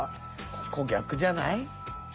ここ逆じゃない？